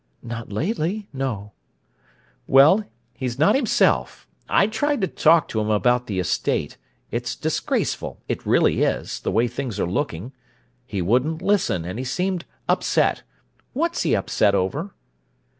"Not lately. No." "Well, he's not himself. I tried to talk to him about the estate; it's disgraceful—it really is—the way things are looking. He wouldn't listen, and he seemed upset. What's he upset over?"